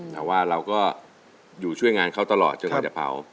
แต่ว่าเราก็อยู่ช่วยงานเขาตลอดจนกว่าจะเผา